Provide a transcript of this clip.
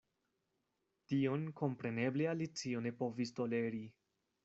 Tion kompreneble Alicio ne povis toleri.